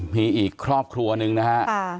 มีอีกครอบครัวหนึ่งนะฮะ